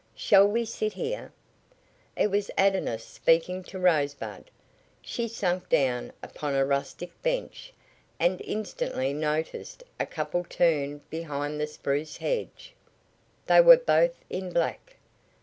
"Shall we sit here?" It was Adonis speaking to Rosebud. She sank down upon a rustic bench and instantly noticed a couple turn behind the spruce hedge. They were both in black.